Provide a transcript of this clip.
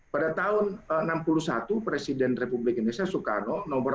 pada tahun seribu sembilan ratus enam puluh satu presiden republik indonesia soekarno nomor